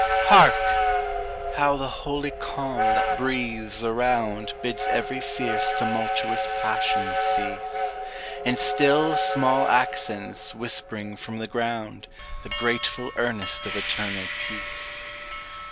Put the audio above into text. [Hark! how the holy calm that breathes around Bids every fierce tumultuous passion cease; In still small accents whispering from the ground The grateful earnest of eternal peace.